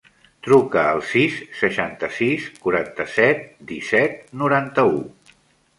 Truca al sis, seixanta-sis, quaranta-set, disset, noranta-u.